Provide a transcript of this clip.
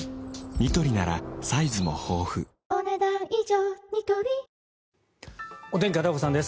ニトリお天気、片岡さんです。